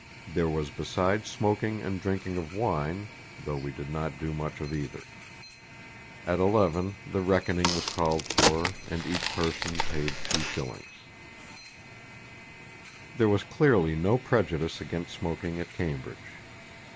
there was besides smoking and drinking of wine, though we did not do much of either. At 11 the reckoning was called for, and each person paid 2s." There was clearly no prejudice against smoking at Cambridge.